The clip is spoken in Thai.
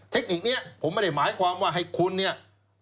เทคนิคนี้ผมไม่ได้หมายความว่าให้คุณเนี่ย